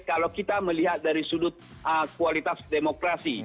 kalau kita melihat dari sudut kualitas demokrasi